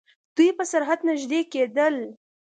دوئ په سرعت نژدې کېدل.